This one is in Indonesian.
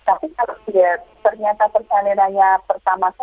tapi kalau dia ternyata persaingannya pertama sejarah